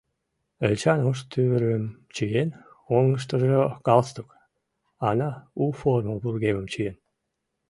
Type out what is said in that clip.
Эчан ош тувырым чиен, оҥыштыжо галстук, Ана у формо вургемым чиен.